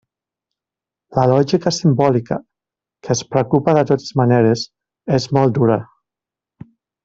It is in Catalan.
La lògica simbòlica, que es preocupa de totes maneres, és molt dura.